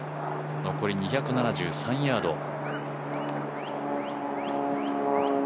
残り２７３ヤード。